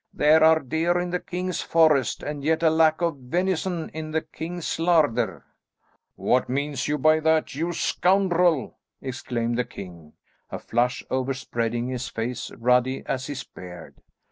"There are deer in the king's forest, and yet a lack of venison in the king's larder!" "What mean you by that, you scoundrel?" exclaimed the king, a flush overspreading his face, ruddy as his beard.